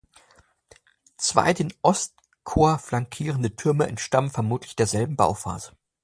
Zwei den Ostchor flankierende Türme entstammen vermutlich derselben Bauphase.